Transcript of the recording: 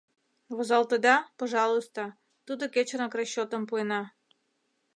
Возалтыда — пожалуйста, тудо кечынак расчётым пуэна.